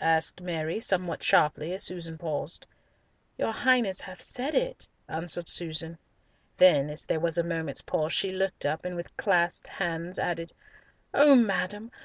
asked Mary, somewhat sharply, as Susan paused. "Your Highness has said it," answered Susan; then, as there was a moment's pause, she looked up, and with clasped hands added, "Oh, madam!